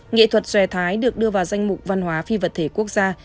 nghệ thuật xòe thái được đưa vào danh mục văn hóa phi vật thể quốc gia